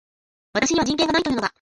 私には人権がないと言うのか